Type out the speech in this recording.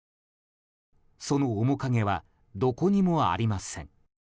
その面影はどこにもありません。